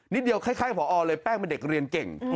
เดียวคล้ายพอเลยแป้งเป็นเด็กเรียนเก่ง